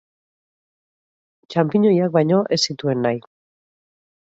Txanpiñoiak baino ez zituen nahi.